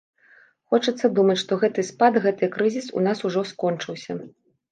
Хочацца думаць, што гэты спад, гэты крызіс у нас ужо скончыўся.